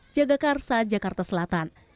jagakarsa jakarta selatan